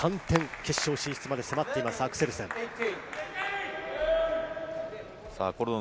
決勝進出まで迫っています、アクセルセン。